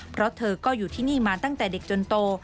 เพราะเธอก็อยู่ที่นี่มาตั้งแต่เด็กจนโต